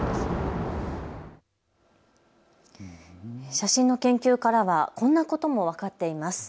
写真の研究からはこんなことも分かっています。